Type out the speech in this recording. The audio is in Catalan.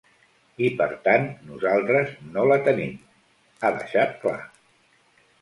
I per tant, nosaltres no la tenim, ha deixat clar.